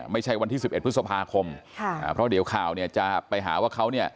ไม่ใช่วันที่๑๑พฤษภาคมเพราะเดี๋ยวข่าวจะไปหาว่าเขา